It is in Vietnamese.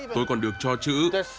tôi còn được cho chữ